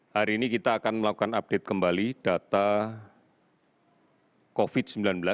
hari ini kita akan melakukan update kembali data covid sembilan belas